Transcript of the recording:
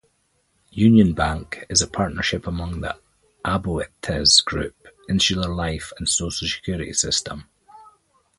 UnionBank is a partnership among the Aboitiz Group, Insular Life and Social Security System.